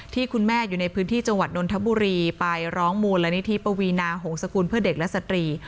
ที่คุณแม่อยู่ในพื้นที่จังหวัดนนทบุรีไปร้องมูลนิธิปวีนาหงษกุลเพื่อเด็กและสตรี